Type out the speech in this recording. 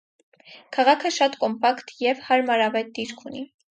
Քաղաքը շատ կոմպակտ եւ յարմարաւէտ դիրք ունի։